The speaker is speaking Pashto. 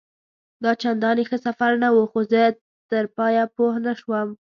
دا چنداني ښه سفر نه وو، خو زه تر پایه پوه نه شوم.